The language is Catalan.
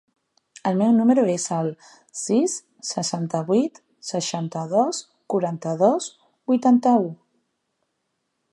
El meu número es el sis, setanta-vuit, seixanta-dos, quaranta-dos, vuitanta-u.